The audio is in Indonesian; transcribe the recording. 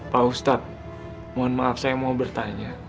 pak ustadz mohon maaf saya mau bertanya